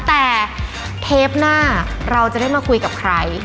แต่เทปหน้าเราจะได้มาคุยกับใคร